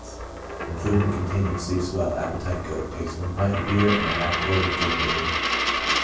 — Improvement continued, sleeps well, appetite good; takes one pint of beer and half a quartern of gin, daily.